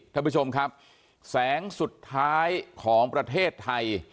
ท่านผู้ชมครับแสงสุดท้ายของประเทศไทย